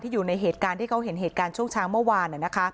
อยู่ในเหตุการณ์ที่เขาเห็นเหตุการณ์ช่วงเช้าเมื่อวาน